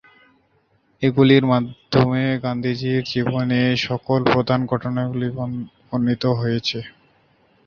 এগুলির মাধ্যমে গান্ধীর জীবনের সকল প্রধান ঘটনাগুলি বর্ণিত হয়েছে।